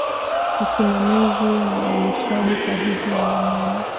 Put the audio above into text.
Usimamizi na ulishaji sahihi wa wanyama